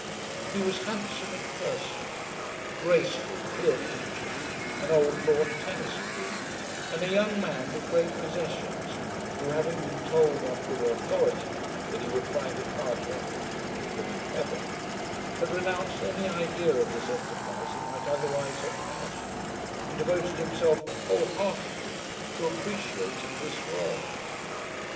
He was handsome in person, graceful, clear featured, an old lawn tennis blue, and a young man with great possessions, who, having been told on good authority that he would find it hard to enter into the kingdom of heaven, had renounced any idea of this enterprise he might otherwise have had, and devoted himself whole heartedly to appreciating this world.